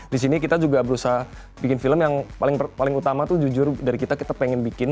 di sini kita juga berusaha bikin film yang paling utama tuh jujur dari kita kita pengen bikin